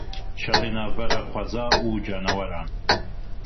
Şerê navbera xweza û caneweran.